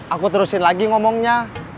aku terusin lagi ngomongnya